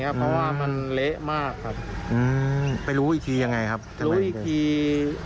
นี้ครับเพราะว่ามันเละมากครับอืมไปรู้อีกทียังไงครับรู้อีกที